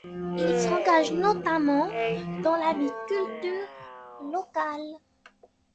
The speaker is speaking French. Il s'engage notamment dans la vie culture locale.